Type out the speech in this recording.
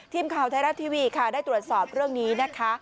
ทีมข่าวไทยรัฐทีวีค่ะได้ตรวจสอบเรื่องนี้นะคะ